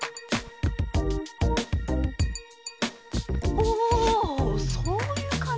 おぉそういうかんじねぇ。